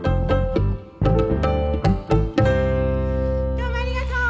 どうもありがとう！